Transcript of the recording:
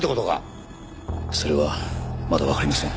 それはまだわかりません。